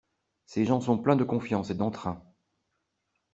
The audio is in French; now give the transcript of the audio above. Ces gens sont pleins de confiance et d'entrain.